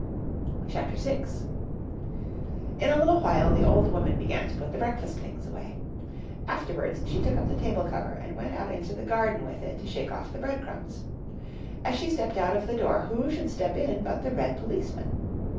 CHAPTER VI. In a little while the old woman began to put the breakfast things away. Afterwards she took up the table cover and went out into the garden with it to shake off the bread crumbs. As she stepped out of the door who should step in but the red policeman.